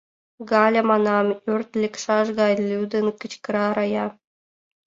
Галя, манам! — ӧрт лекшаш гай лӱдын, кычкыра Рая.